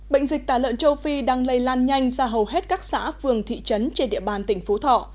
bệnh dịch tả lợn châu phi đang lây lan nhanh ra hầu hết các xã phường thị trấn trên địa bàn tỉnh phú thọ